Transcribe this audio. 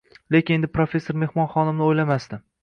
Lekin endi professor mehmon xonimni o`ylamasdi